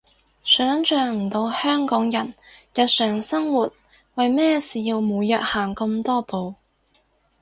想像唔到香港人日常生活為咩事要每日行咁多步